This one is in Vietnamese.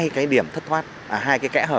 hai cái điểm thất thoát hai cái kẽ hở